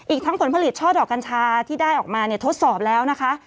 อีกทั้งผลผลิตช่อดอกกัญชาที่ได้ออกมาเนี่ยทดสอบแล้วนะคะ